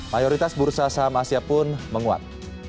mayoritas bursa saham asia pun menguat